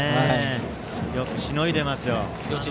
よくしのいでますよ。